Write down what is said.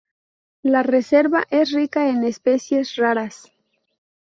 La reserva es rica en especies raras.